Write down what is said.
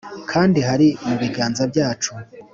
Kandi hari mubiganza byacu